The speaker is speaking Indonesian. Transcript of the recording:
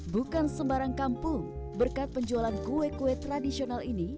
bukan sembarang kampung berkat penjualan kue kue tradisional ini